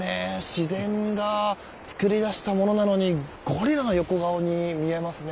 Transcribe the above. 自然が作り出したものなのにゴリラの横顔に見えますね。